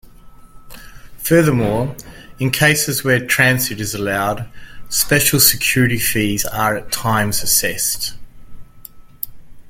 Furthermore, in cases where transit is allowed, special "security fees" are at times assessed.